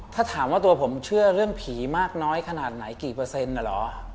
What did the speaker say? ถ้าถามว่าตัวผมเชื่อเรื่องผีมากน้อยขนาดไหนกี่เปอร์เซ็นต์เหรอ